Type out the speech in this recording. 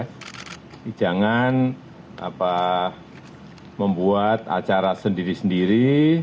jadi jangan membuat acara sendiri sendiri